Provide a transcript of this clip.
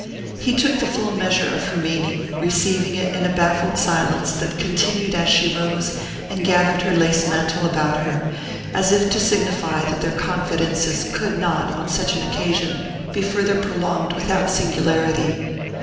He took the full measure of her meaning, receiving it in a baffled silence that continued as she rose and gathered her lace mantle about her, as if to signify that their confidences could not, on such an occasion, be farther prolonged without singularity.